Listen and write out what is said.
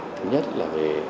thứ nhất là về